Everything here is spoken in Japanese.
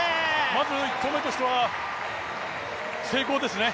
まず１投目としては成功ですね。